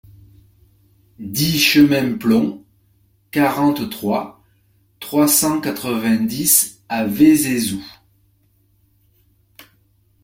dix chemin Plom, quarante-trois, trois cent quatre-vingt-dix à Vézézoux